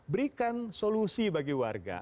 berikan solusi bagi warga